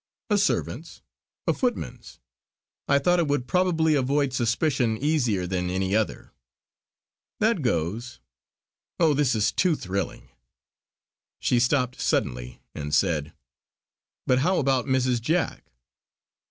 "A servant's, a footman's. I thought it would probably avoid suspicion easier than any other." "That goes! Oh this is too thrilling;" she stopped suddenly and said: "But how about Mrs. Jack?"